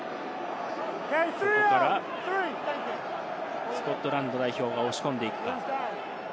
ここからスコットランド代表が押し込んでいくか？